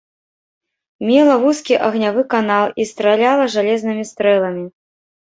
Мела вузкі агнявы канал і страляла жалезнымі стрэламі.